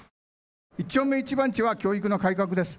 １丁目１番地は教育の改革です。